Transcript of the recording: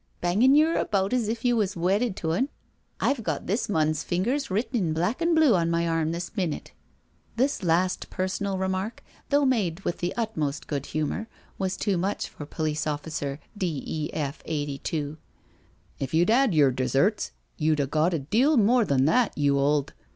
" Bangin' yer about as if you was wedded to un— I've got this mon's fingers writ in black an' blue on my arm this minute." This last personal remark, though made with the utmost good humour, was too much for police officer D. £. F. 82. " If you'd 'ad yer deserts you'd a got a deal more than that, you old